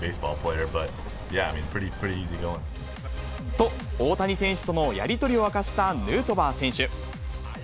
と、大谷選手とのやり取りを明かしたヌートバー選手。